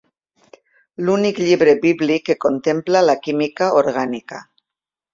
L'únic llibre bíblic que contempla la química orgànica.